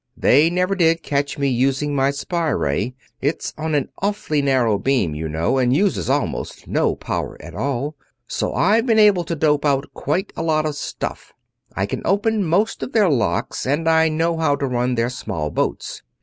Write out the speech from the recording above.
They never did catch me using my spy ray it's on an awfully narrow beam, you know, and uses almost no power at all so I've been able to dope out quite a lot of stuff. I can open most of their locks, and I know how to run their small boats.